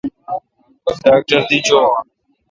ڈاکٹر دی چو۔